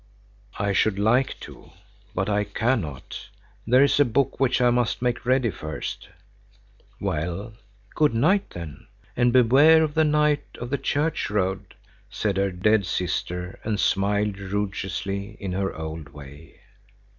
"I should like to, but I cannot. There is a book which I must make ready first." "Well, good night then, and beware of the knight of the church road," said her dead sister, and smiled roguishly in her old way.